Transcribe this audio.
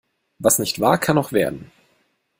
Was nicht war, kann noch werden.